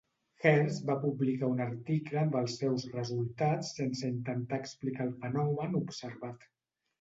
Hertz va publicar un article amb els seus resultats sense intentar explicar el fenomen observat.